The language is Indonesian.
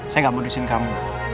saya gak mau disin kamu